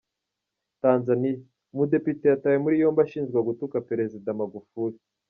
Tanzania: Umudepite yatawe muri yombi ashinjwa gutuka Perezida Magufuli .